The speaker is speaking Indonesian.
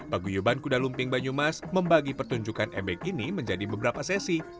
paguyuban kuda lumping banyumas membagi pertunjukan ebek ini menjadi beberapa sesi